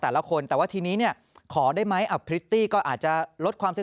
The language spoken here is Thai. แต่ละคนแต่ว่าทีนี้เนี่ยขอได้ไหมพริตตี้ก็อาจจะลดความเซ็ต